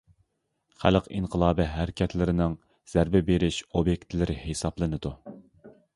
خەلق ئىنقىلابى ھەرىكەتلىرىنىڭ زەربە بېرىش ئوبيېكتلىرى ھېسابلىنىدۇ.